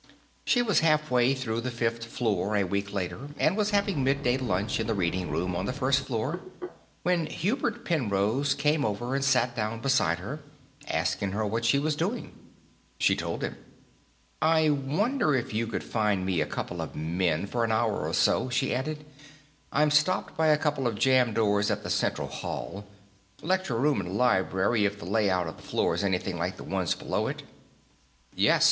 She was halfway through the fifth floor, a week later, and was having midday lunch in the reading room on the first floor when Hubert Penrose came over and sat down beside her, asking her what she was doing. She told him. "I wonder if you could find me a couple of men, for an hour or so," she added. "I'm stopped by a couple of jammed doors at the central hall. Lecture room and library, if the layout of that floor's anything like the ones below it." "Yes.